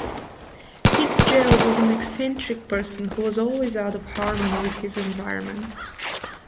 Fitzgerald was an eccentric person who was always out of harmony with his environment.